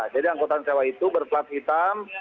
jadi angkutan sewa itu berplat hitam